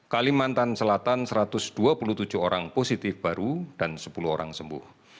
kalimantan selatan satu ratus dua puluh tujuh orang positif baru dan sepuluh orang sembuh